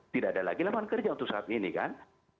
tidak ada lagi lapangan kerja untuk saat ini kan